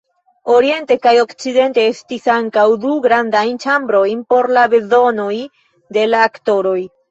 Oriente kaj okcidente estis ankaŭ du malgrandaj ĉambroj por la bezonoj de la aktoroj.